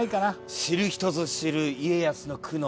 知る人ぞ知る家康の苦悩。